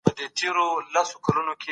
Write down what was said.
اسلام د زور له لاري عقیده نه بدلوي.